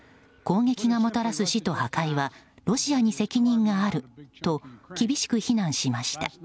攻撃がもたらす死と破壊はロシアに責任があると厳しく非難しました。